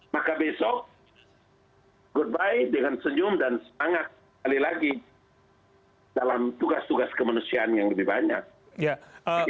maka besok goodby dengan senyum dan semangat sekali lagi dalam tugas tugas kemanusiaan yang lebih banyak